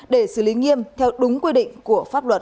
để xử lý nghiêm theo đúng quy định của pháp luật